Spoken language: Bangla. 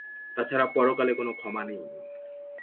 তাছাড়া পরকালে কোনো ক্ষমা নেই।